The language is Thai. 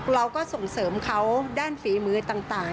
เราก็ส่งเสริมเขาด้านฝีมือต่าง